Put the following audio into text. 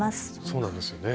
そうなんですよね。